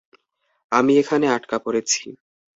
আমি এখানে আটকা পড়েছি।